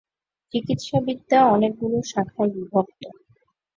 চিকিৎসাবিদ্যা অনেকগুলো শাখায় বিভক্ত।